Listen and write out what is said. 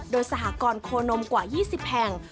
โดยสหกรณ์โคนมกว่า๒๐แห่ง